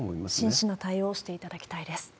真摯な対応をしていただきたいです。